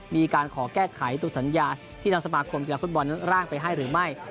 มีการขอแก้ไขตัวสัญญาที่ทางสมาคมกีฬาฟุตบอลนั้นร่างไปให้หรือไม่